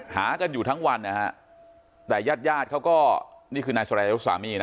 หากันอยู่ทั้งวันนะฮะแต่ญาติญาติเขาก็นี่คือนายสรายุทธ์สามีนะ